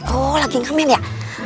oh lagi ngamen ya